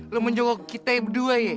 lu menjenguk kita yang berdua ya